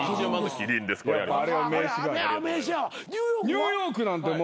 ニューヨークは？